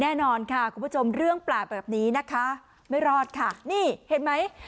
แน่นอนค่ะคุณผู้ชมเรื่องแปลกแบบนี้นะคะไม่รอดค่ะนี่เห็นไหม